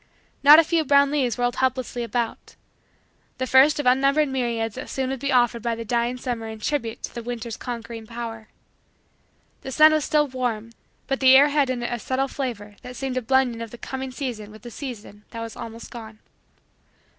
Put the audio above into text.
Not a few brown leaves whirled helplessly about the first of unnumbered myriads that soon would be offered by the dying summer in tribute to winter's conquering power. The sun was still warm but the air had in it a subtle flavor that seemed a blending of the coming season with the season that was almost gone.